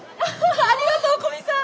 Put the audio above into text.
ありがとう古見さん！